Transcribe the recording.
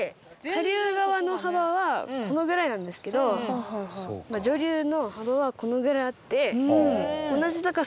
下流側の幅はこのぐらいなんですけど上流の幅はこのぐらいあって全然違うね。